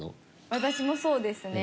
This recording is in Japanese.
私もそうですね。